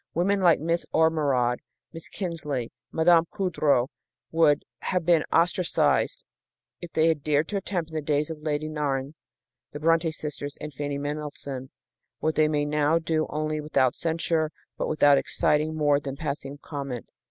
Women like Miss Ormerod, Miss Kingsley and Mme. Coudreau would have been ostracized if they had dared to attempt, in the days of Lady Nairne, the Brontë sisters and Fanny Mendelssohn, what they may now do not only without censure but without exciting more than passing comment.